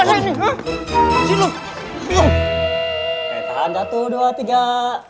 tahan dah satu dua tiga